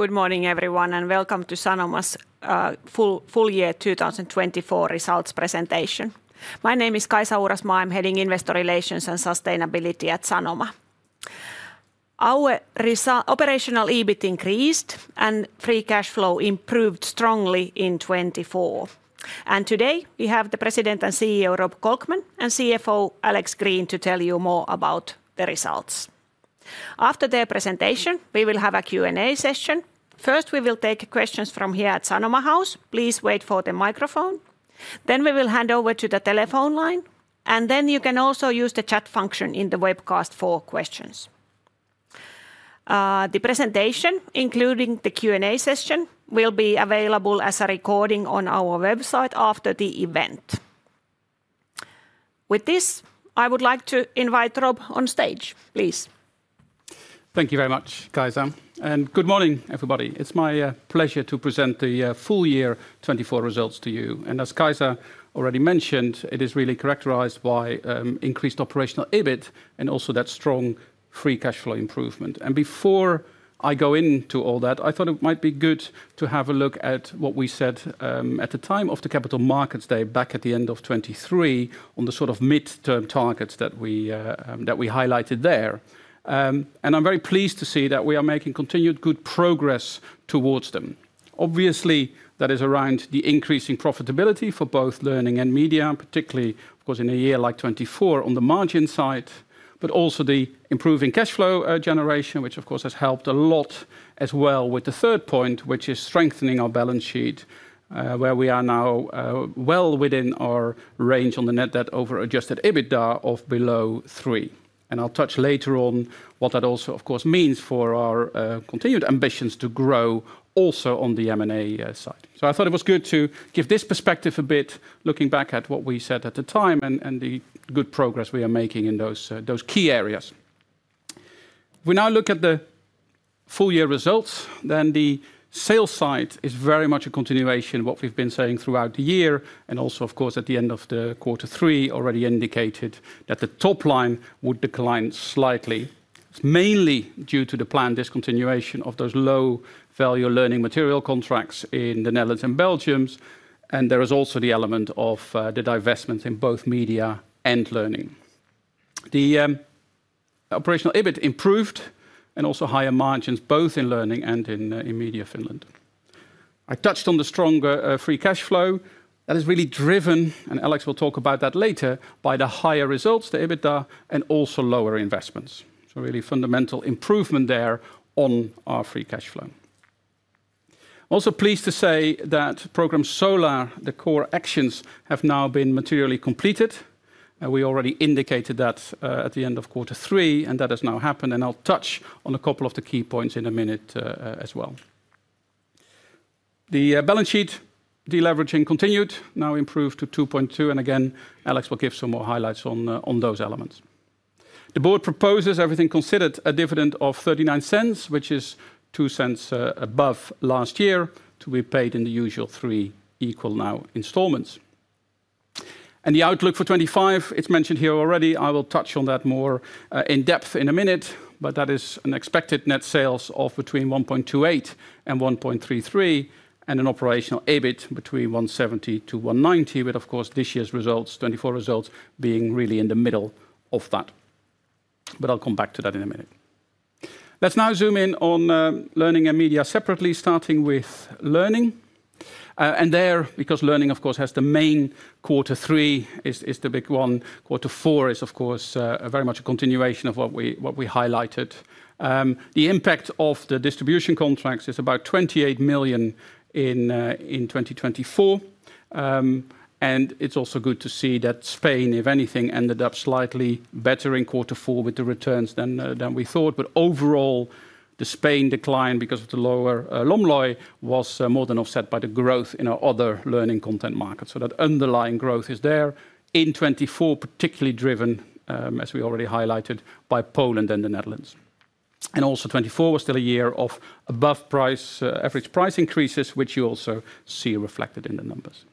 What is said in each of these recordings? Good morning, everyone, and welcome to Sanoma's full year 2024 results presentation. My name is Kaisa Uurasmaa. I'm heading Investor Relations and Sustainability at Sanoma. Our operational EBIT increased and free cash flow improved strongly in 2024, and today we have the President and CEO, Rob Kolkman, and CFO, Alex Green, to tell you more about the results. After their presentation, we will have a Q&A session. First, we will take questions from here at Sanoma House. Please wait for the microphone. Then we will hand over to the telephone line, and then you can also use the chat function in the webcast for questions. The presentation, including the Q&A session, will be available as a recording on our website after the event. With this, I would like to invite Rob Kolkman on stage. Please. Thank you very much, Kaisa Uurasmaa. And good morning, everybody. It's my pleasure to present the full year 2024 results to you. And as Kaisa already mentioned, it is really characterized by increased operational EBIT and also that strong free cash flow improvement. And before I go into all that, I thought it might be good to have a look at what we said at the time of the Capital Markets Day back at the end of 2023 on the sort of midterm targets that we highlighted there. And I'm very pleased to see that we are making continued good progress towards them. Obviously, that is around the increasing profitability for both learning and media, particularly, of course, in a year like 2024 on the margin side, but also the improving cash flow generation, which, of course, has helped a lot as well with the third point, which is strengthening our balance sheet, where we are now well within our range on the net debt over Adjusted EBITDA of below three. And I'll touch later on what that also, of course, means for our continued ambitions to grow also on the M&A side. So I thought it was good to give this perspective a bit, looking back at what we said at the time and the good progress we are making in those key areas. If we now look at the full year results, then the sales side is very much a continuation of what we've been saying throughout the year. Also, of course, at the end of quarter three, we already indicated that the top line would decline slightly, mainly due to the planned discontinuation of those low-value learning material contracts in the Netherlands and Belgium. There is also the element of the divestments in both media and learning. The Operational EBIT improved and also higher margins, both in learning and in Media Finland. I touched on the stronger Free Cash Flow that is really driven, and Alex Green will talk about that later, by the higher results, the EBITDA, and also lower investments. Really fundamental improvement there on our Free Cash Flow. Also pleased to say that Program Solar, the core actions have now been materially completed. We already indicated that at the end of quarter three, and that has now happened. I'll touch on a couple of the key points in a minute as well. The balance sheet deleveraging continued, now improved to 2.2, and again, Alex will give some more highlights on those elements. The board proposes, everything considered, a dividend of 0.39, which is 0.02 above last year to be paid in the usual three equal now installments, and the outlook for 2025, it's mentioned here already. I will touch on that more in depth in a minute, but that is an expected net sales of between 1.28 and 1.33 and an Operational EBIT between 170 to 190, with, of course, this year's results, 2024 results being really in the middle of that, but I'll come back to that in a minute. Let's now zoom in on learning and media separately, starting with learning, and there, because learning, of course, has the main quarter. Three is the big one. Quarter four is, of course, very much a continuation of what we highlighted. The impact of the distribution contracts is about 28 million in 2024. And it's also good to see that Spain, if anything, ended up slightly better in quarter four with the returns than we thought. But overall, the Spain decline because of the lower enrollment was more than offset by the growth in our other learning content markets. So that underlying growth is there in 2024, particularly driven, as we already highlighted, by Poland and the Netherlands. And also 2024 was still a year of above average price increases, which you also see reflected in the numbers.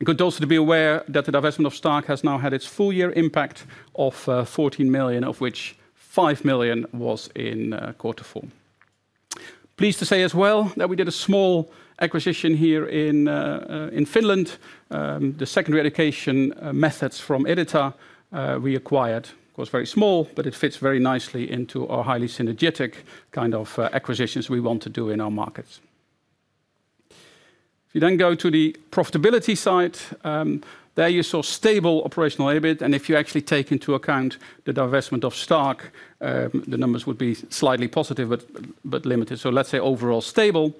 And good also to be aware that the divestment of Stark has now had its full year impact of 14 million, of which 5 million was in quarter four. Pleased to say as well that we did a small acquisition here in Finland. The secondary education methods from Edita we acquired, of course, very small, but it fits very nicely into our highly synergetic kind of acquisitions we want to do in our markets. If you then go to the profitability side, there you saw stable Operational EBIT, and if you actually take into account the divestment of Stark, the numbers would be slightly positive but limited, so let's say overall stable.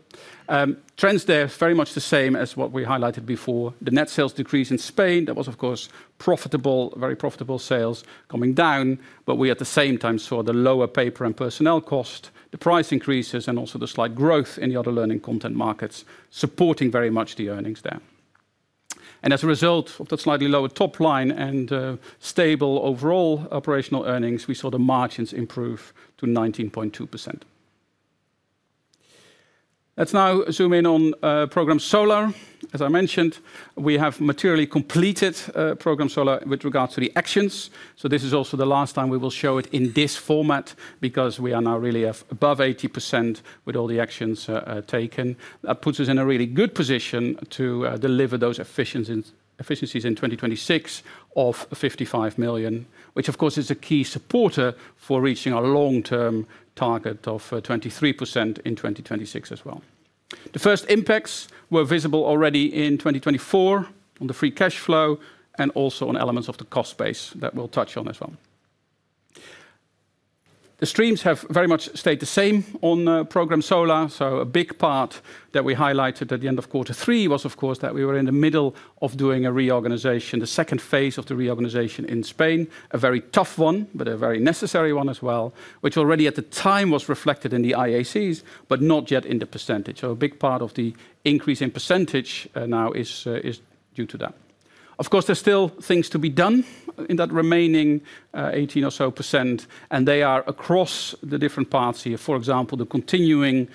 Trends there are very much the same as what we highlighted before. The net sales decrease in Spain, that was, of course, profitable, very profitable sales coming down, but we at the same time saw the lower paper and personnel cost, the price increases, and also the slight growth in the other learning content markets supporting very much the earnings there. And as a result of that slightly lower top line and stable overall operational earnings, we saw the margins improve to 19.2%. Let's now zoom in on Program Solar. As I mentioned, we have materially completed Program Solar with regards to the actions. So this is also the last time we will show it in this format because we are now really above 80% with all the actions taken. That puts us in a really good position to deliver those efficiencies in 2026 of 55 million, which, of course, is a key supporter for reaching our long-term target of 23% in 2026 as well. The first impacts were visible already in 2024 on the Free Cash Flow and also on elements of the cost base that we'll touch on as well. The streams have very much stayed the same on Program Solar. A big part that we highlighted at the end of quarter three was, of course, that we were in the middle of doing a reorganization, the second phase of the reorganization in Spain, a very tough one, but a very necessary one as well, which already at the time was reflected in the IACs, but not yet in the percentage. A big part of the increase in percentage now is due to that. Of course, there's still things to be done in that remaining 18% or so, and they are across the different parts here. For example, the continuing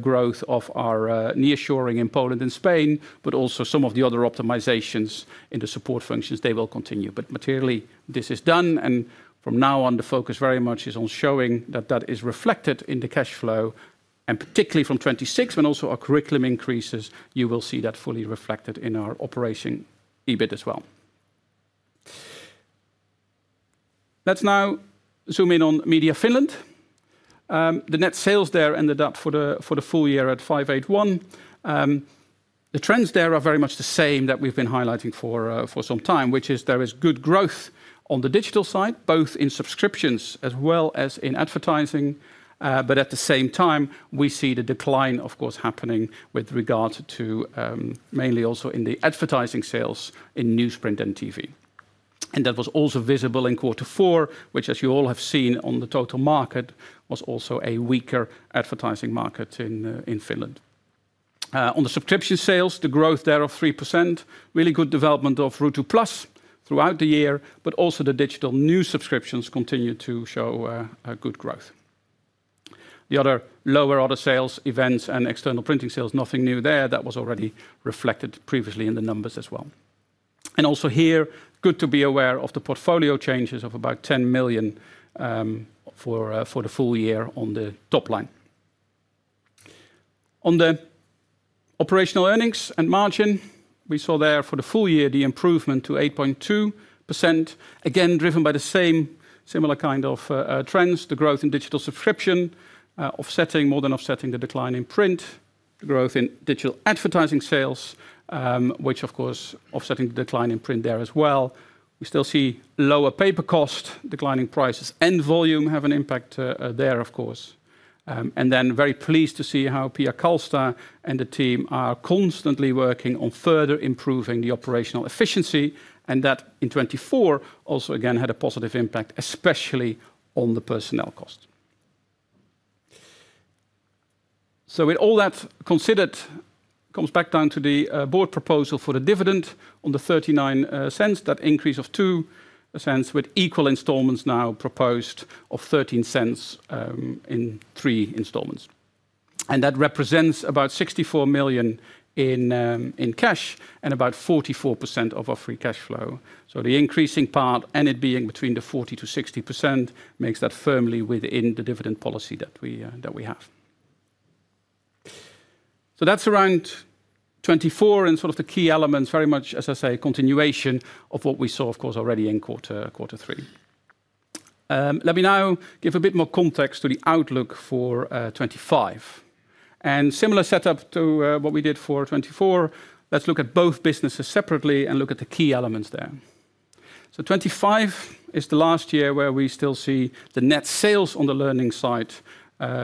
growth of our nearshoring in Poland and Spain, but also some of the other optimizations in the support functions, they will continue. But materially, this is done. And from now on, the focus very much is on showing that that is reflected in the cash flow, and particularly from 2026, when also our curriculum increases, you will see that fully reflected in our Operational EBIT as well. Let's now zoom in on Media Finland. The net sales there ended up for the full year at 581. The trends there are very much the same that we've been highlighting for some time, which is there is good growth on the digital side, both in subscriptions as well as in advertising. But at the same time, we see the decline, of course, happening with regards to mainly also in the advertising sales in newsprint and TV. And that was also visible in quarter four, which, as you all have seen on the total market, was also a weaker advertising market in Finland. On the subscription sales, the growth there of 3%, really good development of Ruutu+ throughout the year, but also the digital new subscriptions continue to show good growth. The other lower order sales events and external printing sales, nothing new there. That was already reflected previously in the numbers as well, and also here, good to be aware of the portfolio changes of about 10 million for the full year on the top line. On the operational earnings and margin, we saw there for the full year the improvement to 8.2%, again driven by the same similar kind of trends, the growth in digital subscription, offsetting, more than offsetting the decline in print, the growth in digital advertising sales, which, of course, offsetting the decline in print there as well. We still see lower paper cost, declining prices, and volume have an impact there, of course. And then very pleased to see how Pia Kalsta and the team are constantly working on further improving the operational efficiency. And that in 2024 also again had a positive impact, especially on the personnel cost. So with all that considered, it comes back down to the board proposal for the dividend of 0.39, that increase of 0.02 with equal installments now proposed of 0.13 in three installments. And that represents about 64 million in cash and about 44% of our free cash flow. So the increasing part and it being between the 40%-60% makes that firmly within the dividend policy that we have. So that's around 2024 and sort of the key elements, very much, as I say, continuation of what we saw, of course, already in quarter three. Let me now give a bit more context to the outlook for 2025. And similar setup to what we did for 2024, let's look at both businesses separately and look at the key elements there. So 2025 is the last year where we still see the net sales on the learning side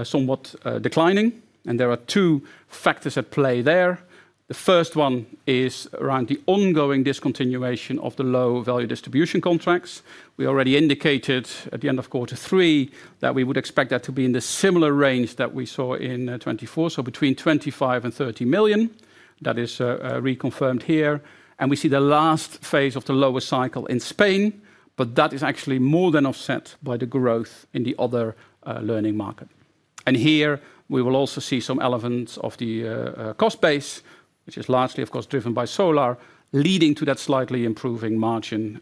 somewhat declining. And there are two factors at play there. The first one is around the ongoing discontinuation of the low value distribution contracts. We already indicated at the end of quarter three that we would expect that to be in the similar range that we saw in 2024, so between 25 million and 30 million. That is reconfirmed here. And we see the last phase of the lower cycle in Spain, but that is actually more than offset by the growth in the other learning market. Here we will also see some elements of the cost base, which is largely, of course, driven by Solar, leading to that slightly improving margin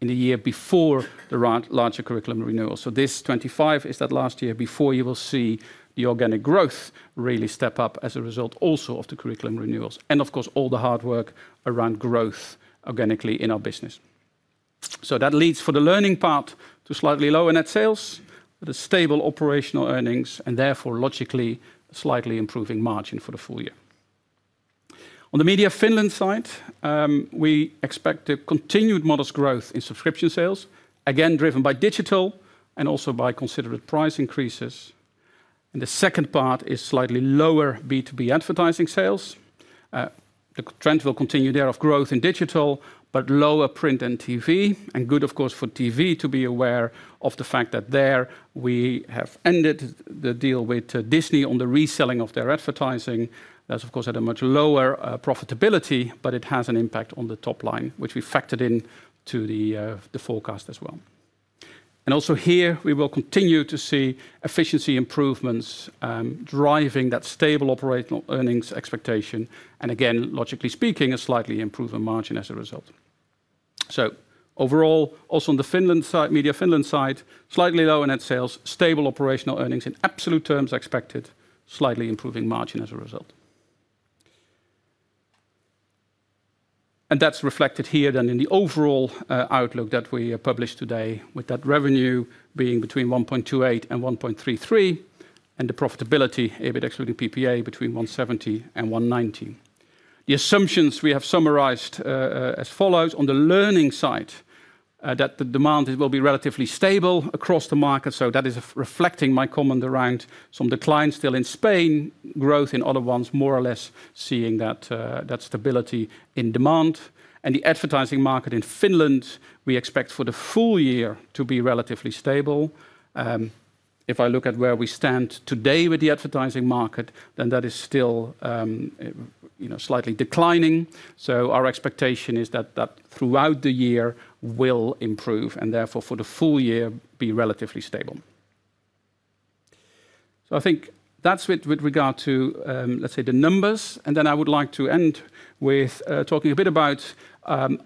in the year before the larger curriculum renewal. This 2025 is that last year before you will see the organic growth really step up as a result also of the curriculum renewals. Of course, all the hard work around growth organically in our business. That leads for the learning part to slightly lower net sales, but a stable operational earnings and therefore logically slightly improving margin for the full year. On the media Finland side, we expect a continued modest growth in subscription sales, again driven by digital and also by considered price increases. The second part is slightly lower B2B advertising sales. The trend will continue there of growth in digital, but lower print and TV. And good, of course, for TV to be aware of the fact that there we have ended the deal with Disney on the reselling of their advertising. That's, of course, at a much lower profitability, but it has an impact on the top line, which we factored into the forecast as well. And also here, we will continue to see efficiency improvements driving that stable operational earnings expectation. And again, logically speaking, a slightly improved margin as a result. So overall, also on the Finland side, Media Finland side, slightly lower net sales, stable operational earnings in absolute terms expected, slightly improving margin as a result. And that's reflected here then in the overall outlook that we published today, with that revenue being between 1.28 and 1.33 and the profitability EBIT excluding PPA between 170 and 190. The assumptions we have summarized as follows, on the learning side, that the demand will be relatively stable across the market, so that is reflecting my comment around some decline still in Spain, growth in other ones, more or less seeing that stability in demand, and the advertising market in Finland, we expect for the full year to be relatively stable. If I look at where we stand today with the advertising market, then that is still slightly declining, so our expectation is that that throughout the year will improve and therefore for the full year be relatively stable, so I think that's with regard to, let's say, the numbers, and then I would like to end with talking a bit about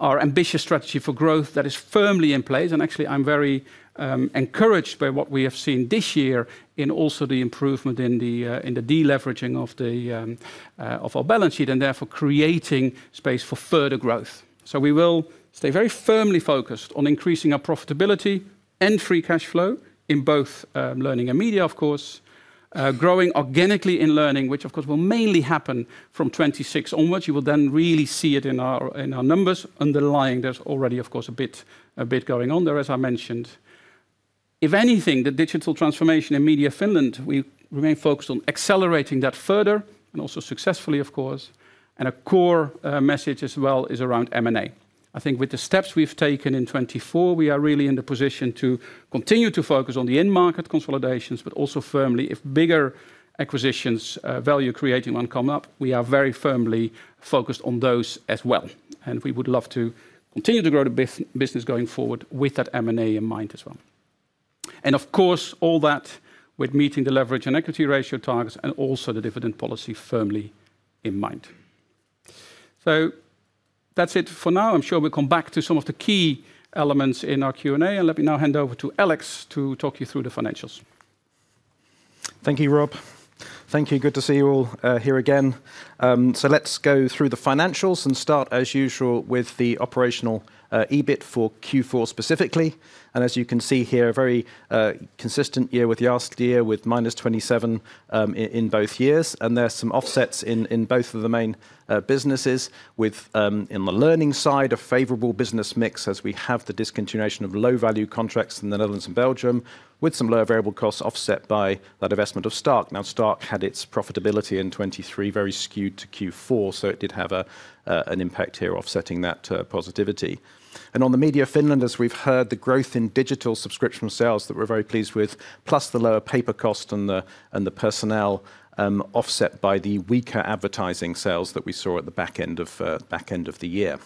our ambitious strategy for growth that is firmly in place. Actually, I'm very encouraged by what we have seen this year in also the improvement in the deleveraging of our balance sheet and therefore creating space for further growth. We will stay very firmly focused on increasing our profitability and Free Cash Flow in both Learning and Media, of course, growing organically in Learning, which, of course, will mainly happen from 2026 onwards. You will then really see it in our numbers underlying. There's already, of course, a bit going on there, as I mentioned. If anything, the digital transformation in Media Finland, we remain focused on accelerating that further and also successfully, of course. A core message as well is around M&A. I think with the steps we've taken in 2024, we are really in the position to continue to focus on the in-market consolidations, but also firmly if bigger acquisitions, value creating one come up, we are very firmly focused on those as well. And we would love to continue to grow the business going forward with that M&A in mind as well. And of course, all that with meeting the leverage and equity ratio targets and also the dividend policy firmly in mind. So that's it for now. I'm sure we'll come back to some of the key elements in our Q&A. And let me now hand over to Alex Green to talk you through the financials. Thank you, Rob. Thank you. Good to see you all here again. So let's go through the financials and start, as usual, with the Operational EBIT for Q4 specifically. As you can see here, a very consistent year with last year with minus 27 in both years. There's some offsets in both of the main businesses with in the learning side a favorable business mix as we have the discontinuation of low value contracts in the Netherlands and Belgium with some lower variable costs offset by that investment of Stark. Now, Stark had its profitability in 2023 very skewed to Q4, so it did have an impact here offsetting that positivity. On the Media Finland, as we've heard, the growth in digital subscription sales that we're very pleased with, plus the lower paper cost and the personnel offset by the weaker advertising sales that we saw at the back end of the year.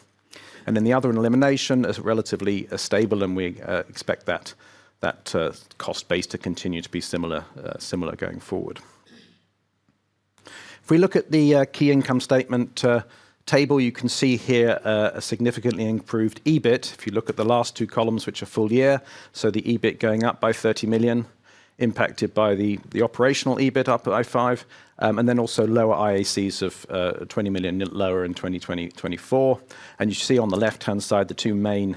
The other elimination is relatively stable, and we expect that cost base to continue to be similar going forward. If we look at the key income statement table, you can see here a significantly improved EBIT. If you look at the last two columns, which are full year, so the EBIT going up by 30 million, impacted by the operational EBIT up by 5 million, and then also lower IACs of 20 million lower in 2024, and you see on the left-hand side the two main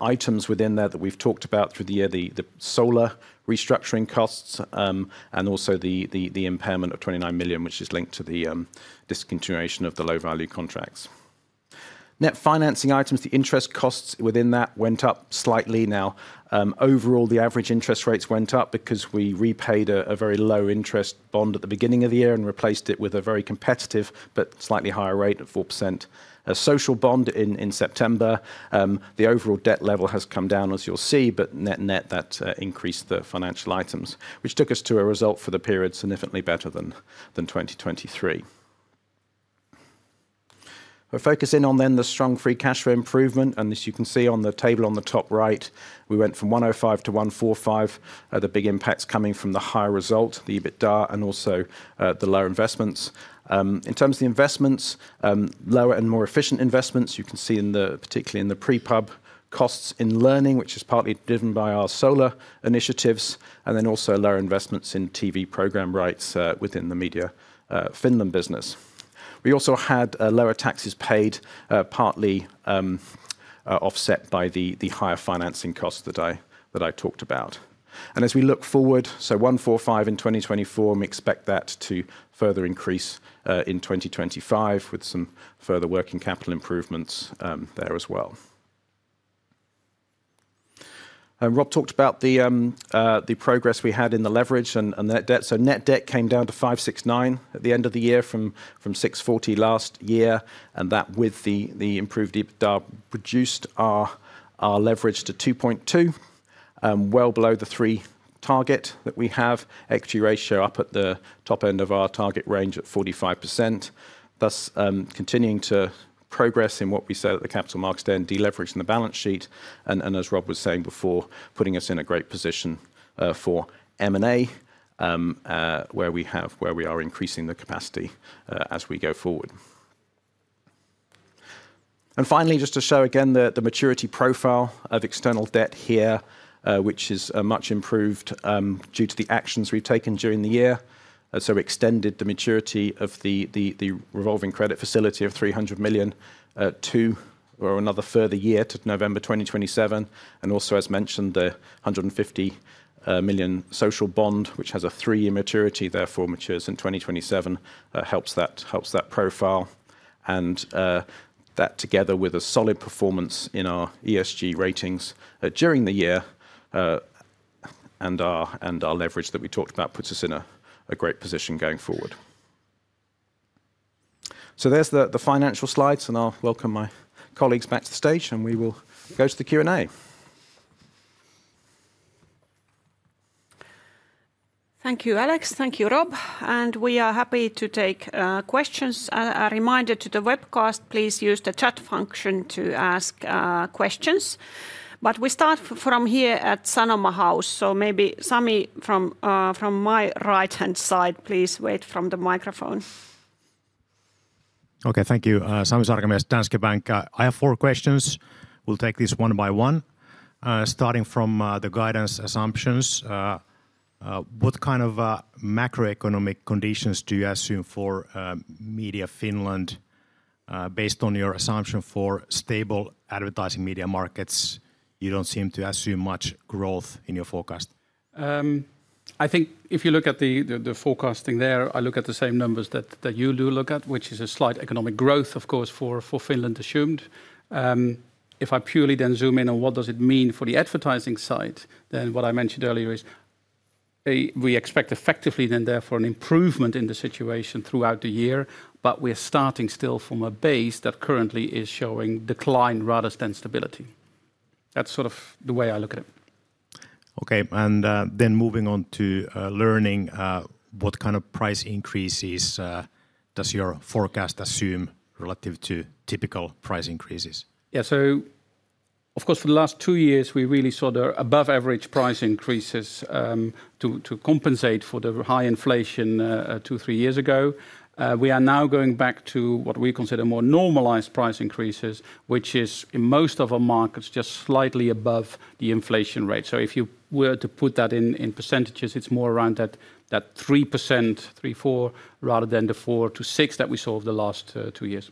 items within there that we've talked about through the year, the Solar restructuring costs and also the impairment of 29 million, which is linked to the discontinuation of the low-value contracts. Net financing items, the interest costs within that went up slightly. Now, overall, the average interest rates went up because we repaid a very low interest bond at the beginning of the year and replaced it with a very competitive but slightly higher rate of 4% Social bond in September. The overall debt level has come down, as you'll see, but net that increased the financial items, which took us to a result for the period significantly better than 2023. We'll focus in on then the strong Free Cash Flow improvement. This you can see on the table on the top right. We went from 105-145, the big impacts coming from the higher result, the EBITDA, and also the lower investments. In terms of the investments, lower and more efficient investments, you can see particularly in the pre-pub costs in Learning, which is partly driven by our Solar initiatives, and then also lower investments in TV program rights within the Media Finland business. We also had lower taxes paid, partly offset by the higher financing costs that I talked about. And as we look forward, so 145 in 2024, we expect that to further increase in 2025 with some further working capital improvements there as well. Rob talked about the progress we had in the leverage and that debt. So net debt came down to 569 at the end of the year from 640 last year. And that with the improved EBITDA produced our leverage to 2.2, well below the three target that we have. Equity ratio up at the top end of our target range at 45%, thus continuing to progress in what we said at the Capital Markets Day then, deleveraging the balance sheet. And as Rob was saying before, putting us in a great position for M&A, where we are increasing the capacity as we go forward. And finally, just to show again the maturity profile of external debt here, which is much improved due to the actions we've taken during the year. So we extended the maturity of the Revolving Credit Facility of 300 million to another further year to November 2027. And also, as mentioned, the 150 million social bond, which has a three-year maturity, therefore matures in 2027, helps that profile. And that together with a solid performance in our ESG ratings during the year and our leverage that we talked about puts us in a great position going forward. So there's the financial slides, and I'll welcome my colleagues back to the stage, and we will go to the Q&A. Thank you, Alex. Thank you, Rob. And we are happy to take questions. A reminder to the webcast, please use the chat function to ask questions. But we start from here at Sanoma House. So maybe Sami from my right-hand side, please wait for the microphone. Okay, thank you. Sami Sarkamäe, Danske Bank. I have four questions. We'll take this one by one. Starting from the guidance assumptions, what kind of macroeconomic conditions do you assume for Media Finland based on your assumption for stable advertising media markets? You don't seem to assume much growth in your forecast. I think if you look at the forecasting there, I look at the same numbers that you do look at, which is a slight economic growth, of course, for Finland assumed. If I purely then zoom in on what does it mean for the advertising side, then what I mentioned earlier is we expect effectively then therefore an improvement in the situation throughout the year, but we're starting still from a base that currently is showing decline rather than stability. That's sort of the way I look at it. Okay. And then moving on to learning, what kind of price increases does your forecast assume relative to typical price increases? Yeah. So of course, for the last two years, we really saw the above-average price increases to compensate for the high inflation two, three years ago. We are now going back to what we consider more normalized price increases, which is in most of our markets just slightly above the inflation rate. So if you were to put that in percentages, it's more around that 3%-4%, rather than the 4%-6% that we saw over the last two years.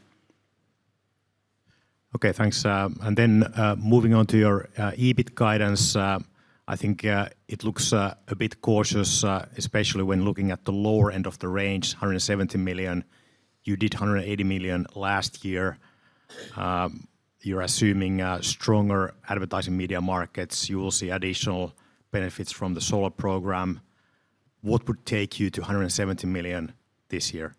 Okay, thanks. And then moving on to your EBIT guidance, I think it looks a bit cautious, especially when looking at the lower end of the range, 170 million. You did 180 million last year. You're assuming stronger advertising media markets. You will see additional benefits from the Solar program. What would take you to 170 million this year?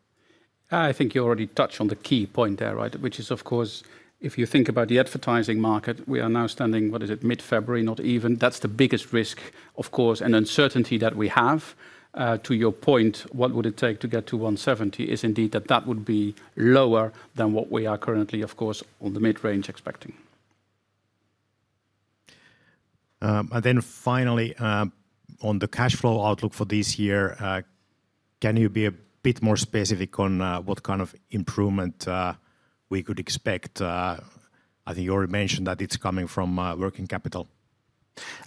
I think you already touched on the key point there, right? Which is, of course, if you think about the advertising market, we are now standing, what is it, mid-February, not even. That's the biggest risk, of course, and uncertainty that we have. To your point, what would it take to get to 170 is indeed that that would be lower than what we are currently, of course, on the mid-range expecting. Finally, on the cash flow outlook for this year, can you be a bit more specific on what kind of improvement we could expect? I think you already mentioned that it's coming from working capital.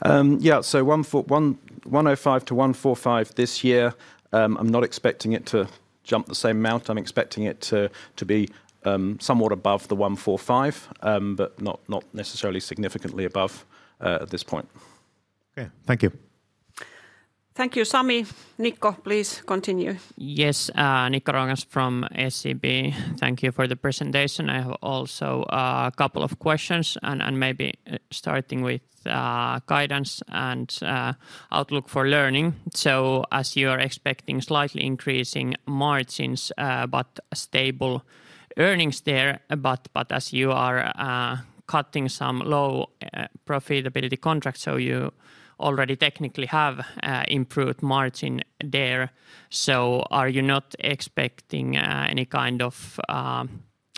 Yeah. So, 105-145 this year, I'm not expecting it to jump the same amount. I'm expecting it to be somewhat above the 145, but not necessarily significantly above at this point. Okay. Thank you. Thank you, Sami. Niko, please continue. Yes. Niko Roikas from SEB. Thank you for the presentation. I have also a couple of questions and maybe starting with guidance and outlook for learning. So as you are expecting slightly increasing margins, but stable earnings there, but as you are cutting some low profitability contracts, so you already technically have improved margin there. So are you not expecting any kind of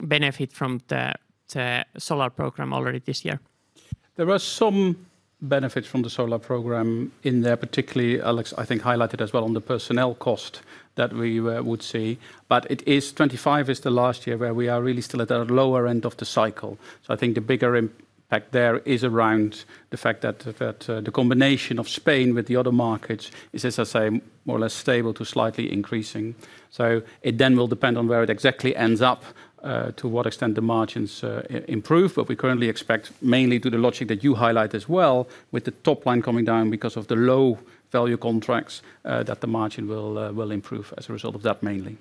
benefit from the Program Solar already this year? There are some benefits from the solar program in there, particularly, Alex. I think highlighted as well on the personnel cost that we would see. But 2025 is the last year where we are really still at the lower end of the cycle. So I think the bigger impact there is around the fact that the combination of Spain with the other markets is, as I say, more or less stable to slightly increasing. So it then will depend on where it exactly ends up to what extent the margins improve. But we currently expect mainly to the logic that you highlight as well with the top line coming down because of the low value contracts that the margin will improve as a result of that mainly.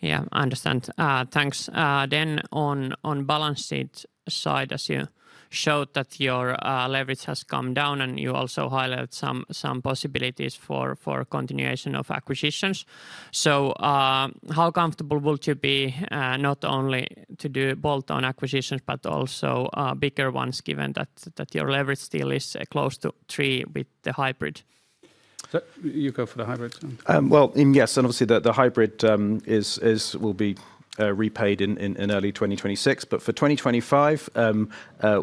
Yeah, I understand. Thanks. Then on balance sheet side, as you showed that your leverage has come down and you also highlighted some possibilities for continuation of acquisitions. So how comfortable would you be not only to do bolt-on acquisitions, but also bigger ones given that your leverage still is close to three with the hybrid? So you go for the hybrid. Yes. Obviously the hybrid will be repaid in early 2026. For 2025,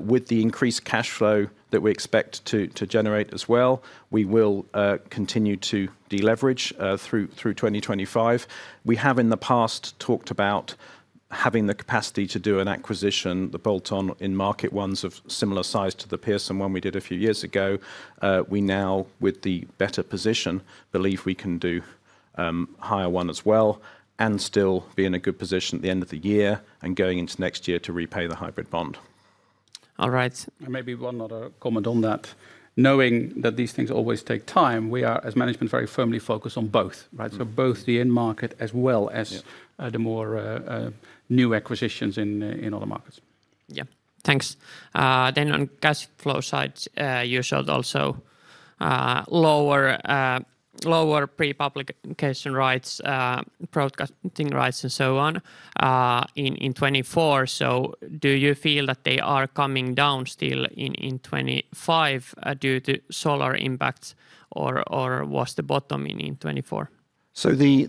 with the increased cash flow that we expect to generate as well, we will continue to deleverage through 2025. We have in the past talked about having the capacity to do an acquisition, the bolt-on in market ones of similar size to the Pearson one we did a few years ago. We now, with the better position, believe we can do higher one as well and still be in a good position at the end of the year and going into next year to repay the hybrid bond. All right. Maybe one other comment on that. Knowing that these things always take time, we are as management very firmly focused on both, right? So both the in-market as well as the more new acquisitions in other markets. Yeah. Thanks. Then on cash flow side, you showed also lower pre-publication rights, broadcasting rights, and so on in 2024. So do you feel that they are coming down still in 2025 due to Solar impacts or was the bottom in 2024? So the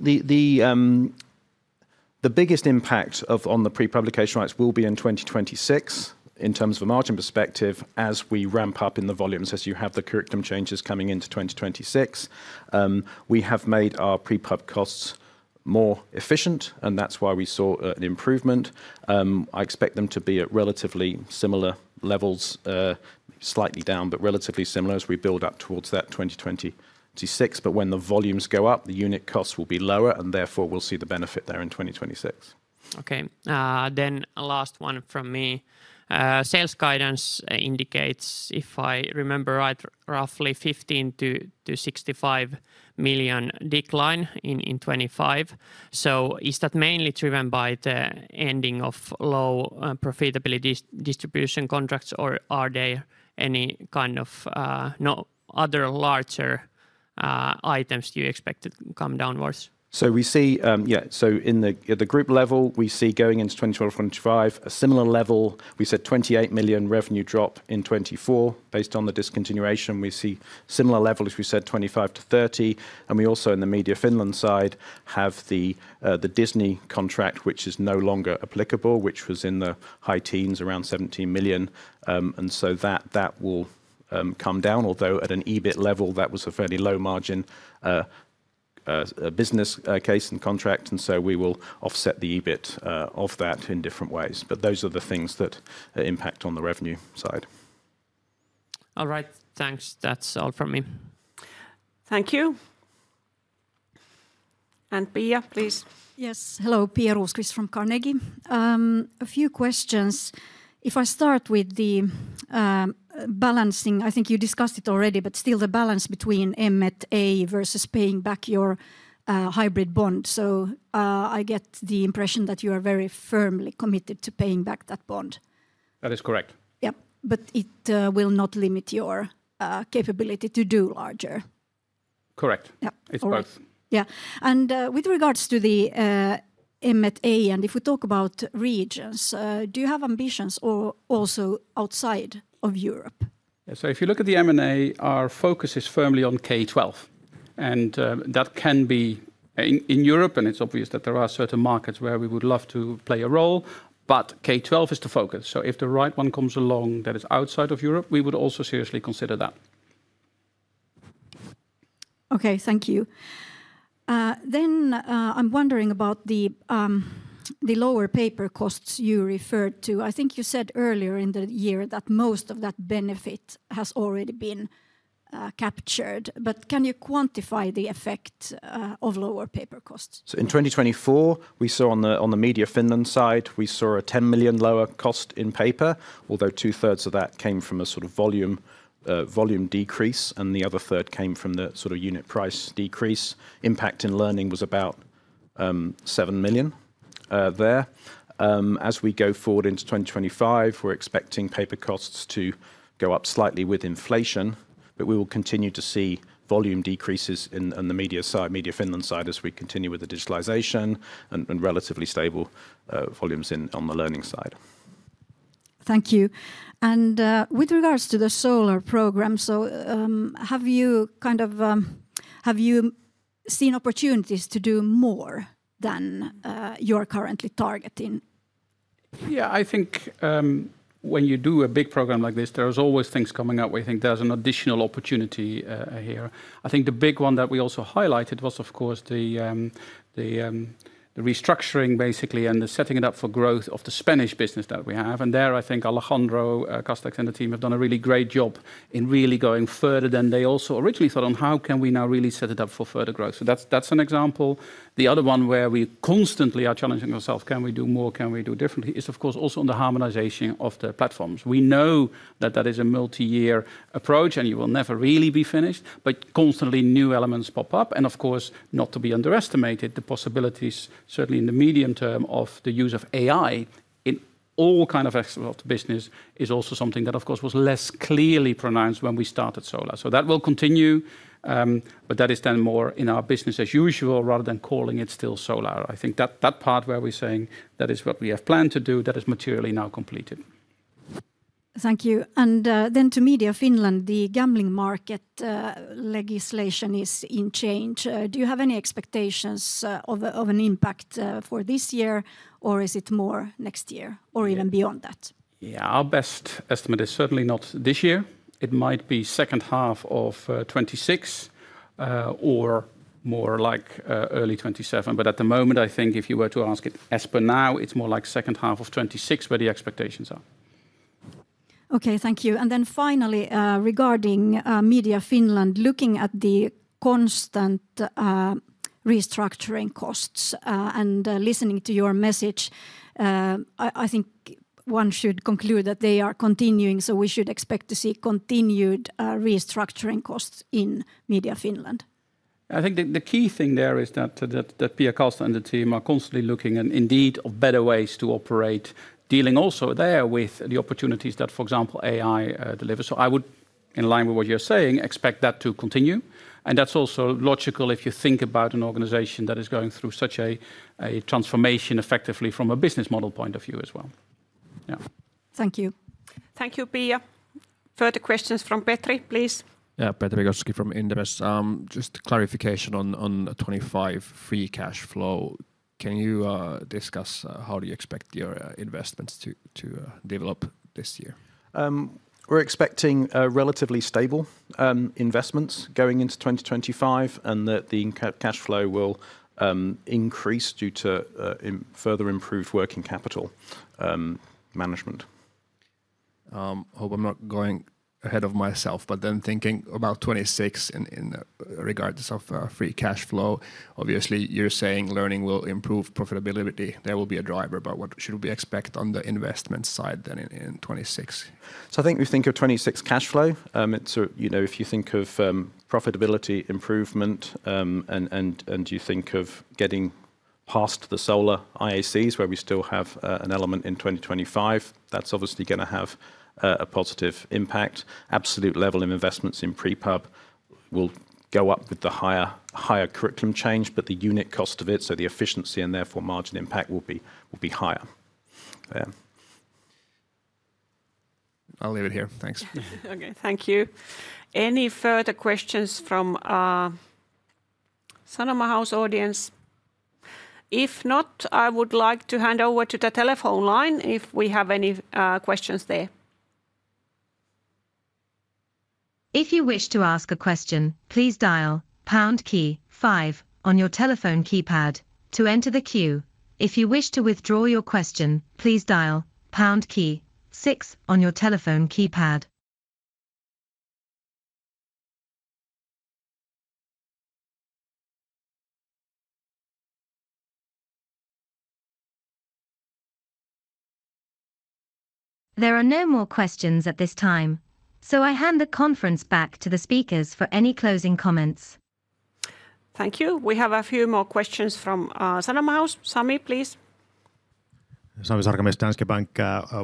biggest impact on the pre-publication rights will be in 2026 in terms of a margin perspective as we ramp up in the volumes, as you have the curriculum changes coming into 2026. We have made our pre-pub costs more efficient, and that's why we saw an improvement. I expect them to be at relatively similar levels, slightly down, but relatively similar as we build up towards that 2026. But when the volumes go up, the unit costs will be lower, and therefore we'll see the benefit there in 2026. Okay. Then last one from me. Sales guidance indicates, if I remember right, roughly 15 million-65 million decline in 2025. So is that mainly driven by the ending of low profitability distribution contracts, or are there any kind of other larger items you expected to come downwards? We see, yeah. In the group level, we see going into 2024, 2025, a similar level. We said 28 million revenue drop in 2024 based on the discontinuation. We see similar levels, we said 25 million to 30 million. And we also in the Media Finland side have the Disney contract, which is no longer applicable, which was in the high teens around 17 million. And so that will come down, although at an EBIT level, that was a fairly low margin business case and contract. And so we will offset the EBIT of that in different ways. But those are the things that impact on the revenue side. All right. Thanks. That's all from me. Thank you, and Pia, please. Yes. Hello, Pia Rosqvist from Carnegie. A few questions. If I start with the balancing, I think you discussed it already, but still the balance between M&A versus paying back your hybrid bond. So I get the impression that you are very firmly committed to paying back that bond. That is correct. Yeah, but it will not limit your capability to do larger. Correct. Yeah. It's both. Yeah. And with regards to the M&A, and if we talk about regions, do you have ambitions also outside of Europe? So if you look at the M&A, our focus is firmly on K12. And that can be in Europe, and it's obvious that there are certain markets where we would love to play a role, but K12 is the focus. So if the right one comes along that is outside of Europe, we would also seriously consider that. Okay. Thank you. Then I'm wondering about the lower paper costs you referred to. I think you said earlier in the year that most of that benefit has already been captured. But can you quantify the effect of lower paper costs? So in 2024, we saw on the Media Finland side, we saw a 10 million lower cost in paper, although two-thirds of that came from a sort of volume decrease and the other third came from the sort of unit price decrease. Impact in learning was about 7 million there. As we go forward into 2025, we're expecting paper costs to go up slightly with inflation, but we will continue to see volume decreases on the media side, Media Finland side, as we continue with the digitalization and relatively stable volumes on the learning side. Thank you. With regards to the solar program, so have you kind of seen opportunities to do more than you are currently targeting? Yeah, I think when you do a big program like this, there are always things coming up where you think there's an additional opportunity here. I think the big one that we also highlighted was, of course, the restructuring basically and the setting it up for growth of the Spanish business that we have. And there I think Alejandro Casero and the team have done a really great job in really going further than they also originally thought on how can we now really set it up for further growth. So that's an example. The other one where we constantly are challenging ourselves, can we do more, can we do differently, is of course also on the harmonization of the platforms. We know that that is a multi-year approach and you will never really be finished, but constantly new elements pop up. And, of course, not to be underestimated, the possibilities certainly in the medium term of the use of AI in all kinds of aspects of the business is also something that, of course, was less clearly pronounced when we started solar. So, that will continue, but that is then more in our business as usual rather than calling it still solar. I think that part where we're saying that is what we have planned to do. That is materially now completed. Thank you. Then, to Media Finland, the gambling market legislation is changing. Do you have any expectations of an impact for this year or is it more next year or even beyond that? Yeah, our best estimate is certainly not this year. It might be second half of 2026 or more like early 2027. But at the moment, I think if you were to ask it as per now, it's more like second half of 2026 where the expectations are. Okay. Thank you. And then finally, regarding Media Finland, looking at the constant restructuring costs and listening to your message, I think one should conclude that they are continuing. So we should expect to see continued restructuring costs in Media Finland. I think the key thing there is that Pia Kalsta and the team are constantly looking indeed for better ways to operate, dealing also there with the opportunities that, for example, AI delivers. So I would, in line with what you're saying, expect that to continue. And that's also logical if you think about an organization that is going through such a transformation effectively from a business model point of view as well. Yeah. Thank you. Thank you, Pia. Further questions from Petri, please. Yeah, Petri Gostowski from Inderes. Just clarification on '25 free cash flow. Can you discuss how do you expect your investments to develop this year? We're expecting relatively stable investments going into 2025 and that the cash flow will increase due to further improved working capital management. I hope I'm not going ahead of myself, but then thinking about 2026 in regards of free cash flow, obviously you're saying learning will improve profitability. There will be a driver, but what should we expect on the investment side then in 2026? I think we think of 2026 cash flow. If you think of profitability improvement and you think of getting past the Solar IACs where we still have an element in 2025, that's obviously going to have a positive impact. Absolute level of investments in pre-pub will go up with the higher curriculum change, but the unit cost of it, so the efficiency and therefore margin impact will be higher. Yeah. I'll leave it here. Thanks. Okay. Thank you. Any further questions from the Sanoma House audience? If not, I would like to hand over to the telephone line if we have any questions there. If you wish to ask a question, please dial pound key five on your telephone keypad to enter the queue. If you wish to withdraw your question, please dial pound key six on your telephone keypad. There are no more questions at this time, so I hand the conference back to the speakers for any closing comments. Thank you. We have a few more questions from Sanoma House. Sami, please. Sami Sarkamäe, Danske Bank.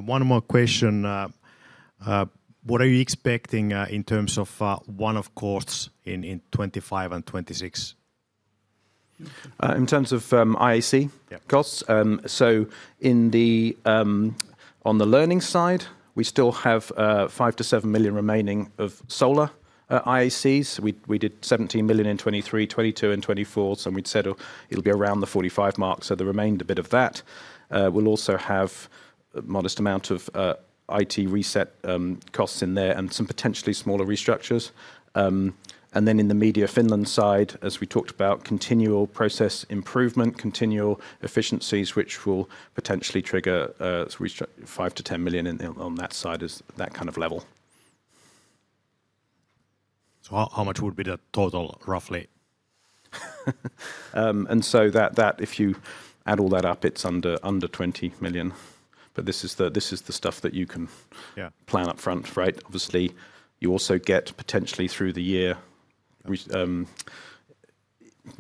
One more question. What are you expecting in terms of one-off costs in 2025 and 2026? In terms of IAC costs? Yeah. On the learning side, we still have 5-7 million remaining of Solar IACs. We did 17 million in 2023, 2022, and 2024, so we'd said it'll be around the 45 million mark, so the remainder bit of that. We'll also have a modest amount of IT reset costs in there and some potentially smaller restructures. On the Media Finland side, as we talked about, continual process improvement, continual efficiencies, which will potentially trigger 5-10 million on that side as that kind of level. How much would be the total roughly? And so that, if you add all that up, it's under 20 million. But this is the stuff that you can plan upfront, right? Obviously, you also get potentially through the year. We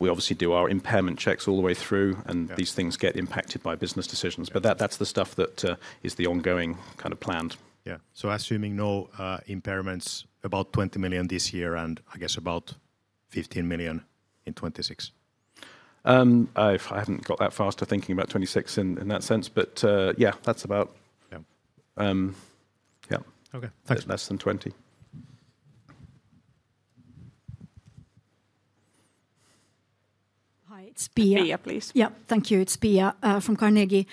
obviously do our impairment checks all the way through, and these things get impacted by business decisions. But that's the stuff that is the ongoing kind of planned. Yeah. So assuming no impairments, about 20 million this year and I guess about 15 million in 2026? I haven't got that far to thinking about 2026 in that sense, but yeah, that's about, yeah. Okay. Thanks. Less than 20. Hi, it's Pia. Pia, please. Yeah. Thank you. It's Pia from Carnegie.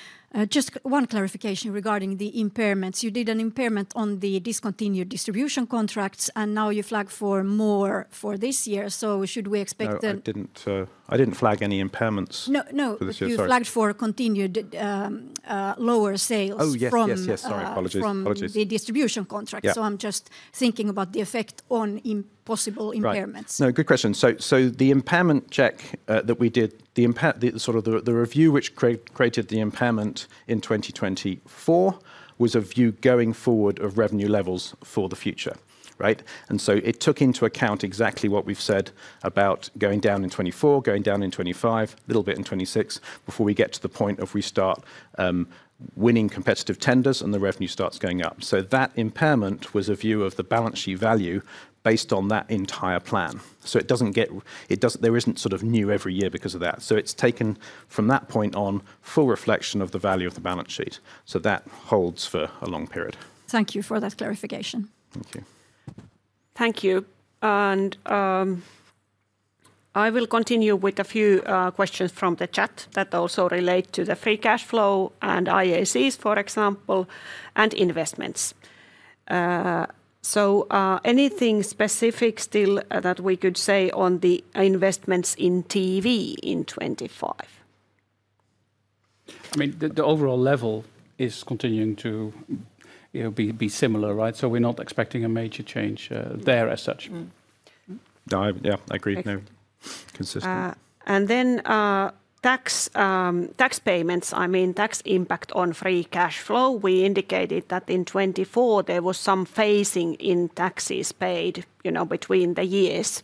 Just one clarification regarding the impairments. You did an impairment on the discontinued distribution contracts, and now you flagged for more for this year. So should we expect? No, I didn't flag any impairments. No, no. You flagged for continued lower sales from the distribution contracts. So I'm just thinking about the effect on possible impairments. Right. No, good question. So the impairment check that we did, the sort of review which created the impairment in 2024 was a view going forward of revenue levels for the future, right? And so it took into account exactly what we've said about going down in 2024, going down in 2025, a little bit in 2026 before we get to the point of we start winning competitive tenders and the revenue starts going up. So that impairment was a view of the balance sheet value based on that entire plan. So it doesn't get, there isn't sort of new every year because of that. So it's taken from that point on full reflection of the value of the balance sheet. So that holds for a long period. Thank you for that clarification. Thank you. Thank you. And I will continue with a few questions from the chat that also relate to the Free Cash Flow and IACs, for example, and investments. So anything specific still that we could say on the investments in TV in 2025? I mean, the overall level is continuing to be similar, right? So we're not expecting a major change there as such. Yeah, I agree. Consistent. Then tax payments, I mean, tax impact on Free Cash Flow. We indicated that in 2024 there was some phasing in taxes paid between the years,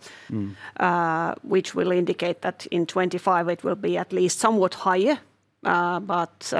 which will indicate that in 2025 it will be at least somewhat higher. But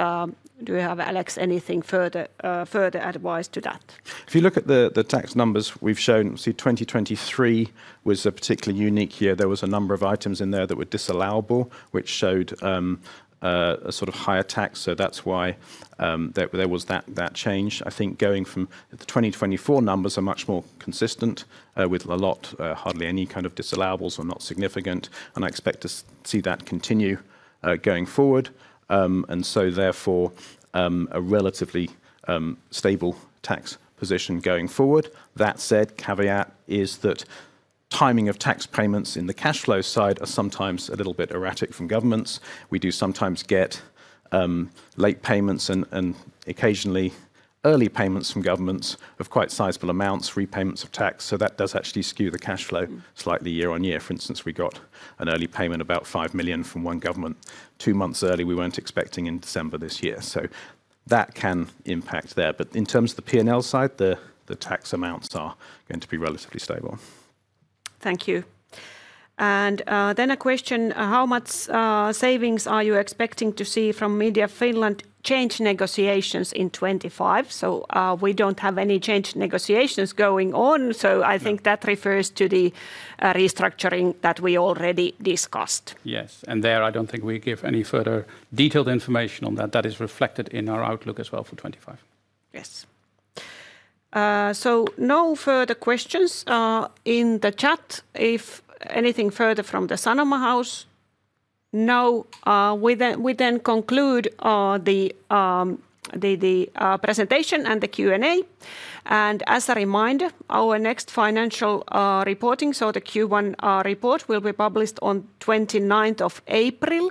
do you have, Alex, anything further advice to that? If you look at the tax numbers we've shown. See, 2023 was a particularly unique year. There was a number of items in there that were disallowable, which showed a sort of higher tax. So that's why there was that change. I think going from the 2024 numbers are much more consistent with a lot, hardly any kind of disallowables or not significant. And I expect to see that continue going forward. And so therefore a relatively stable tax position going forward. That said, caveat is that timing of tax payments in the cash flow side are sometimes a little bit erratic from governments. We do sometimes get late payments and occasionally early payments from governments of quite sizable amounts, repayments of tax. So that does actually skew the cash flow slightly year on year. For instance, we got an early payment about 5 million from one government two months early we weren't expecting in December this year. So that can impact there. But in terms of the P&L side, the tax amounts are going to be relatively stable. Thank you. And then a question, how much savings are you expecting to see from Media Finland change negotiations in 2025? So we don't have any change negotiations going on. So I think that refers to the restructuring that we already discussed. Yes, and there I don't think we give any further detailed information on that. That is reflected in our outlook as well for 2025. Yes. So no further questions in the chat. If anything further from the Sanoma House? No. We then conclude the presentation and the Q&A. And as a reminder, our next financial reporting, so the Q1 report, will be published on 29th of April.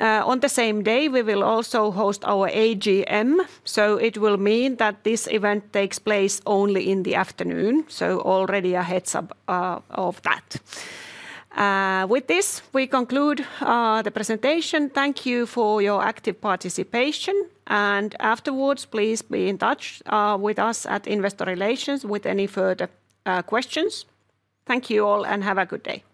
On the same day, we will also host our AGM. So it will mean that this event takes place only in the afternoon. So already a heads up of that. With this, we conclude the presentation. Thank you for your active participation. And afterwards, please be in touch with us at Investor Relations with any further questions. Thank you all and have a good day.